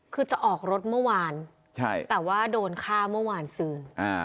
คือจะออกรถเมื่อวานแต่ว่าโดนฆ่าเมื่อวานซืน